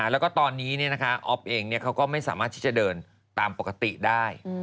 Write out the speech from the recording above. แล้วก็ตอนนี้อ๊อฟเองเขาก็ไม่สามารถที่จะเดินตามปกติได้